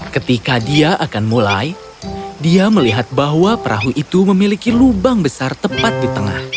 ketika dia akan mulai dia melihat bahwa perahu itu memiliki lubang besar tepat di tengah